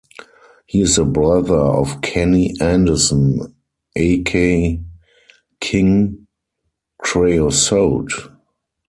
He is the brother of Kenny Anderson, aka King Creosote.